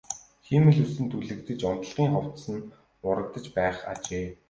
Хиймэл үс нь түлэгдэж унтлагын хувцас нь урагдсан байх ажээ.